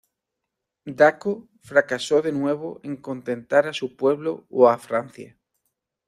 Dacko fracasó de nuevo en contentar a su pueblo o a Francia.